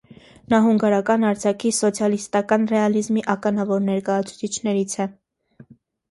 Նա հունգարական արձակի սոցիալիստական ռեալիզմի ականավոր ներկայացուցիչներից է։